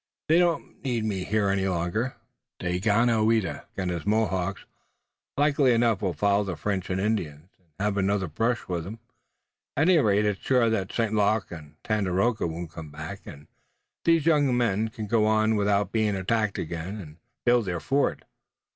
"They don't need me here any longer. Daganoweda and his Mohawks, likely enough, will follow the French and Indians, and have another brush with 'em. At any rate, it's sure that St. Luc and Tandakora won't come back, and these young men can go on without being attacked again and build their fort.